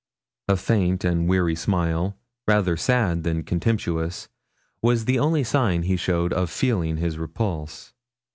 A faint and weary smile, rather sad than comtemptuous, was the only sign he showed of feeling his repulse.